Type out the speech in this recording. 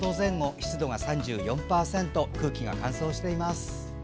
湿度が３４％と空気が乾燥しています。